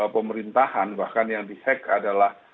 pemerintahan bahkan yang di hack adalah